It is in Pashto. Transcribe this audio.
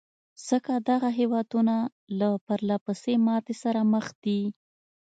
ځکه دغه هېوادونه له پرلهپسې ماتې سره مخ دي.